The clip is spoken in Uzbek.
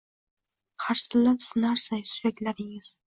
Qarsillab sinarsa suyaklaringiz?